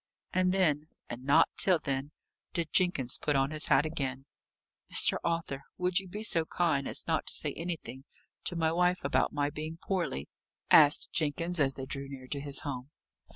And then, and not till then, did Jenkins put on his hat again. "Mr. Arthur, would you be so kind as not to say anything to my wife about my being poorly?" asked Jenkins, as they drew near to his home.